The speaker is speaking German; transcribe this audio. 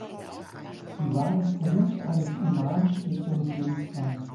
Die Wahl des Berufs eines Imams steht somit jedem frei.